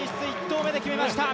１投目で決めました。